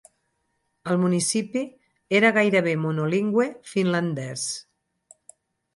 El municipi era gairebé monolingüe finlandès.